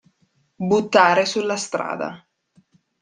Buttare sulla strada.